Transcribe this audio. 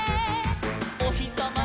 「おひさま